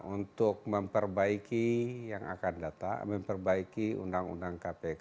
untuk memperbaiki yang akan datang memperbaiki undang undang kpk